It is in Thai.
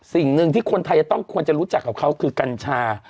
สิ่งหนึ่งที่คนไทยจะต้องควรจะรู้จักกับเขาคือกัญชา